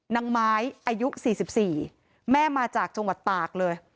นางไม้อายุ๔๔แม่มาจากจังหวัดตากเลย